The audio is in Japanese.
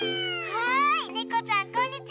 はいねこちゃんこんにちは。